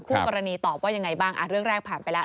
คู่กรณีตอบว่ายังไงบ้างเรื่องแรกผ่านไปแล้ว